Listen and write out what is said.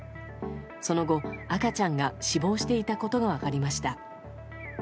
その後、赤ちゃんが死亡していたことが分かりました。